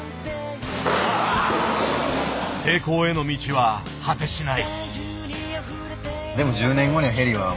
成功への道は果てしない。